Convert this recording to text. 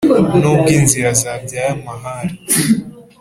Nubwo inzira zabyaye amahari